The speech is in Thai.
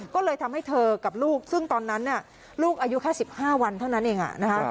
ก็เลยทำให้เธอกับลูกซึ่งตอนนั้นลูกอายุแค่๑๕วันเท่านั้นเอง